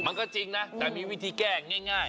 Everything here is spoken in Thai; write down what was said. มันก็จริงนะแต่มีวิธีแก้ง่าย